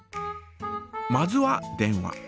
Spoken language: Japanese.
まずは電話。